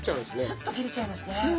スッと切れちゃいますね。